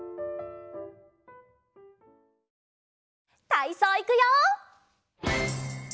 たいそういくよ！